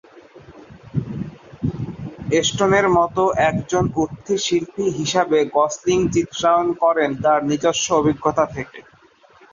স্টোনের মত একজন উঠতি শিল্পী হিসাবে গসলিং চরিত্রায়ন করেন তার নিজস্ব অভিজ্ঞতা থেকে।